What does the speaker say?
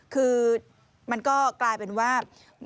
คือมันก็กลายเป็นว่า